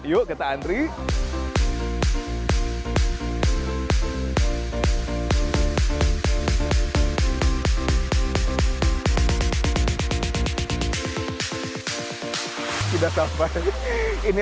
yuk kita antri